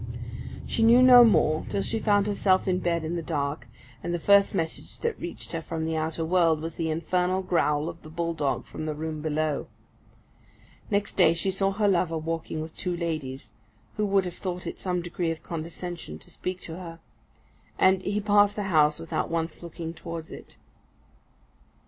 She knew no more till she found herself in bed in the dark; and the first message that reached her from the outer world was the infernal growl of the bull dog from the room below. Next day she saw her lover walking with two ladies, who would have thought it some degree of condescension to speak to her; and he passed the house without once looking towards it.